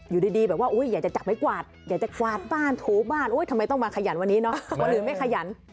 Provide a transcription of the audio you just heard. อยู่ดีแบบว่าอยากจะจับไม้กวาดอยากจะกวาดบ้านถูบ้านทำไมต้องมาขยันวันนี้เนาะวันอื่นไม่ขยัน